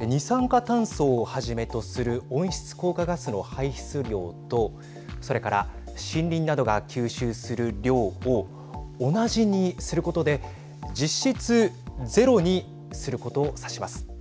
二酸化炭素をはじめとする温室効果ガスの排出量とそれから森林などが吸収する量を同じにすることで実質ゼロにすることを指します。